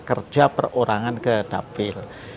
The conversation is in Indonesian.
kerja perorangan ke dapil